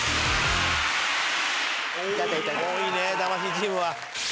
多いね魂チームは。